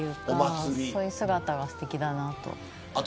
そういう姿がすてきだなと。